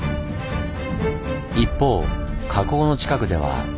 一方火口の近くでは。